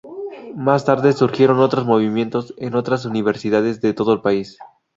Más tarde, surgieron otros movimientos en otras universidades de todo el país.